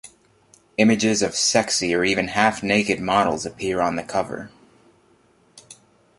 Images of sexy or even half-naked models appear on the cover.